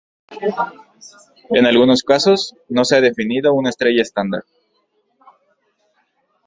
En algunos casos, no se ha definido una estrella estándar.